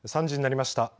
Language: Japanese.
３時になりました。